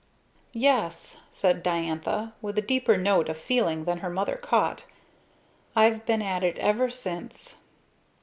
"Yes," said Diantha, with a deeper note of feeling than her mother caught, "I've been at it ever since!"